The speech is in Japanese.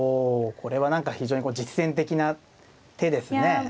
これは何か非常に実戦的な手ですね。